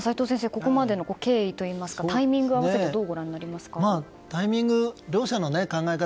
ここまでの経緯といいますかタイミングも合わせてどうご覧になりますか？タイミング、両者の考え方